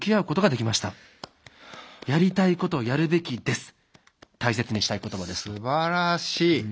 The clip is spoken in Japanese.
すばらしい。